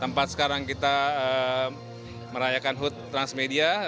tempat sekarang kita merayakan hud transmedia